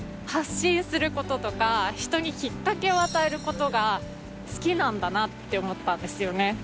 発信することとか人にきっかけを与えることが好きなんだなって思ったんですよね。